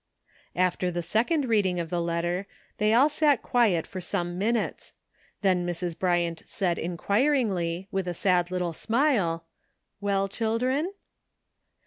After the second reading of the letter they all sat quiet for some minutes ; then Mrs. < Bryant said inquiringly, with a sad little smile, "Well, children?"